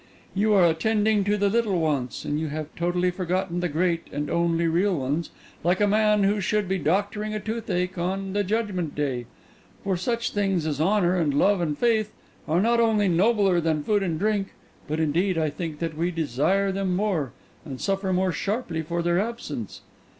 You are attending to the little wants, and you have totally forgotten the great and only real ones, like a man who should be doctoring a toothache on the Judgment Day. For such things as honour and love and faith are not only nobler than food and drink, but indeed I think that we desire them more, and suffer more sharply for their absence.